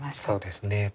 そうですね。